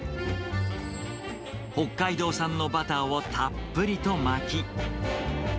北海道産のバターをたっぷりと巻き。